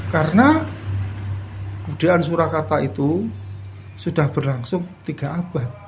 karena kudean surakarta itu sudah berlangsung tiga abad